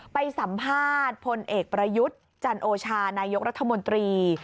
ไปสัมภาษณ์พลเอกประยุทธ์จันโอชานายกรัฐมนตรี